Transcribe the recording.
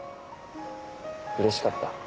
うれしかった？